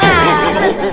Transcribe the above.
nah kita nyatet